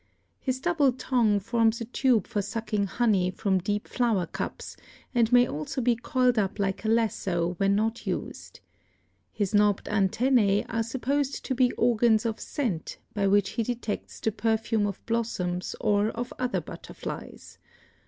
His double tongue forms a tube for sucking honey from deep flower cups, and may also be coiled up like a lasso when not used. His knobbed antennæ are supposed to be organs of scent by which he detects the perfume of blossoms or of other butterflies.